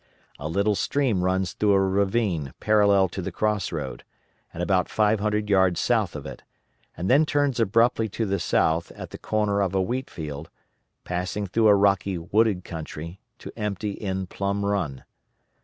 A little stream runs through a ravine parallel to the cross road, and about five hundred yards south of it, and then turns abruptly to the south at the corner of a wheat field, passing through a rocky wooded country, to empty in Plum Run.